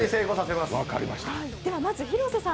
まず広瀬さん